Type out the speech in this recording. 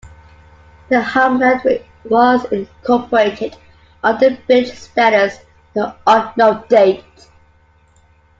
The hamlet was incorporated under village status at an unknown date.